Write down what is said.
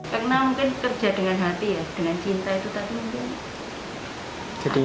karena mungkin kerja dengan hati ya dengan cinta itu tadi mungkin